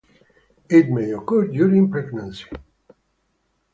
It may occur during pregnancy.